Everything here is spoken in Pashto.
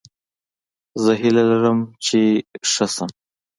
زه هیله لرم چې ښه شم